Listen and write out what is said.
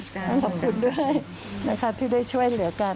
ต้องขอบคุณด้วยนะคะที่ได้ช่วยเหลือกัน